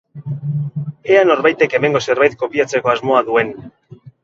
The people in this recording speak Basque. Ea norbaitek hemengo zerbait kopiatzeko asmoa duen.